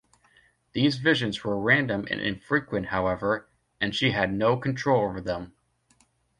These visions were random and infrequent, however, and she had no control over them.